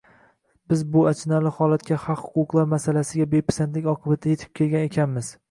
Biz bu achinarli holatga haq-huquqlar masalasiga bepisandlik oqibatida yetib kelgan ekanmiz